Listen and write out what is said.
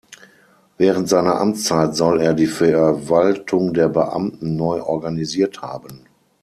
Während seiner Amtszeit soll er die Verwaltung der Beamten neu organisiert haben.